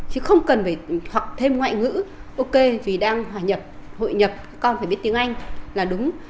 chứ không cần phải học thêm ngoại ngữ ok vì đang hòa nhập hội nhập con phải biết tiếng anh là đúng